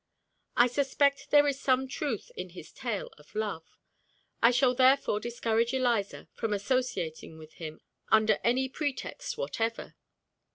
I suspect there is some truth in his tale of love. I shall therefore discourage Eliza from associating with him under any pretext whatever.